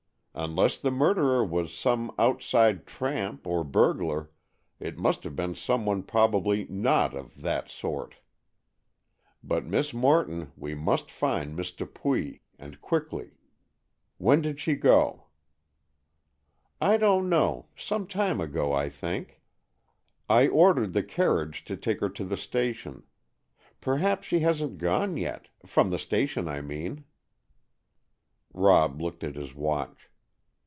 Unless the murderer was some outside tramp or burglar, it must have been some one probably not 'of that sort.' But, Miss Morton, we must find Miss Dupuy, and quickly. When did she go?" "I don't know; some time ago, I think. I ordered the carriage to take her to the station. Perhaps she hasn't gone yet—from the station, I mean." Rob looked at his watch.